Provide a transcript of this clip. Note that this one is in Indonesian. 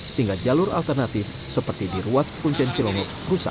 sehingga jalur alternatif seperti di ruas kuncian cilongok rusak